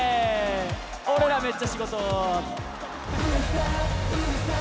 俺らめっちゃ仕事。